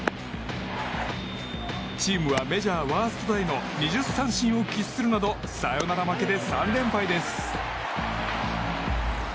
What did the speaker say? チームはメジャーワーストタイの２０三振を喫するなどサヨナラ負けで３連敗です。